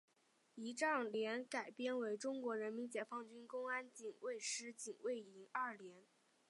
仪仗连改编为中国人民解放军公安警卫师警卫营二连。